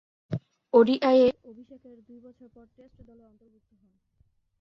ওডিআইয়ে অভিষেকের দুই বছর পর টেস্ট দলে অন্তর্ভুক্ত হন।